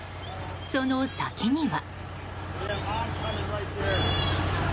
その先には。